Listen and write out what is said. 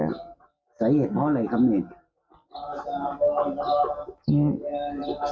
สาเหตุเพราะอะไรครับเนี่ย